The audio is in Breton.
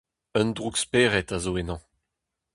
Un droukspered a zo ennañ.